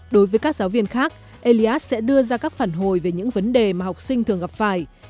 đối với các giáo viên khác eliat sẽ đưa ra các phản hồi về những vấn đề mà học sinh thường gặp phải